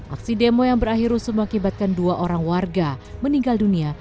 aksi demo yang berakhir rusuh mengakibatkan dua orang warga meninggal dunia